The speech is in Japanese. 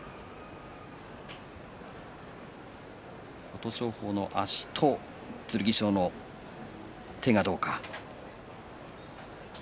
琴勝峰の足と剣翔の手がどうか。